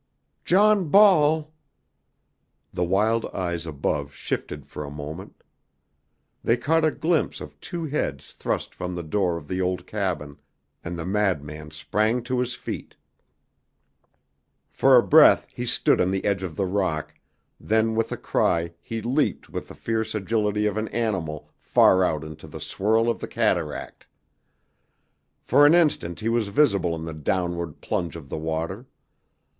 "John Ball " The wild eyes above shifted for a moment. They caught a glimpse of two heads thrust from the door of the old cabin, and the madman sprang to his feet. For a breath he stood on the edge of the rock, then with a cry he leaped with the fierce agility of an animal far out into the swirl of the cataract! For an instant he was visible in the downward plunge of the water.